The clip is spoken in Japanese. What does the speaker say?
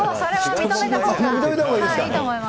認めたほうがいいと思います。